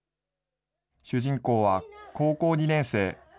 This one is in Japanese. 主人公は高校２年生。